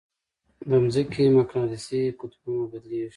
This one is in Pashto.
د ځمکې مقناطیسي قطبونه بدلېږي.